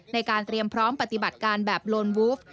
ในการเตรียมพร้อมปฏิบัติการแบบโลนวูฟ